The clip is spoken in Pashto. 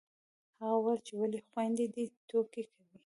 هغه وويل چې ولې خویندې دې ټوکې کوي